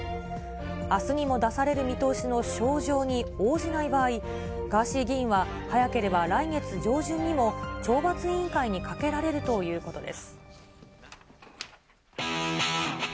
あすにも出される見通しの招状に応じない場合、ガーシー議員は早ければ来月上旬にも懲罰委員会にかけられるということです。